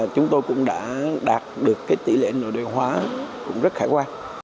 xong cũng đối mặt với không yếu